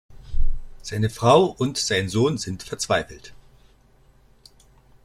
Seine Frau und sein Sohn sind verzweifelt.